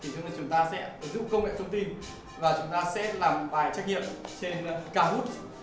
thì chúng ta sẽ ứng dụng công nghệ thông tin và chúng ta sẽ làm bài trách nhiệm trên kahoot